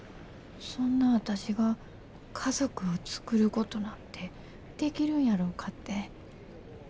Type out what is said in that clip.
そんな私が家族を作ることなんてできるんやろうかって。